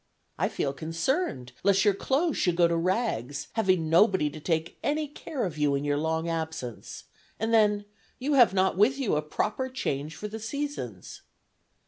I feel concerned lest your clothes should go to rags, having nobody to take any care of you in your long absence; and then, you have not with you a proper change for the seasons.